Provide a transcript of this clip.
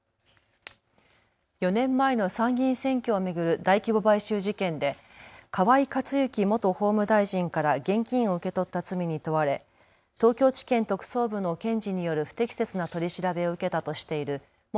４年前の参議院選挙を巡る大規模買収事件で河井克行元法務大臣から現金を受け取った罪に問われ東京地検特捜部の検事による不適切な取り調べを受けたとしている元